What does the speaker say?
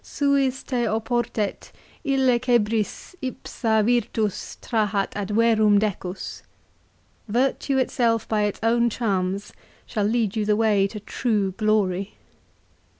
" Suis te oportet illecebris ipsa virtus trahat ad verum decus." " Virtue itself by its own charms shall lead you the way to true glory."